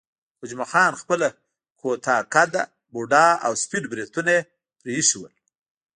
خو جمعه خان خپله کوټه قده، بوډا او سپین بریتونه یې پرې ایښي ول.